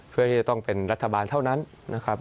เพื่อที่จะต้องเป็นรัฐบาลเท่านั้นนะครับ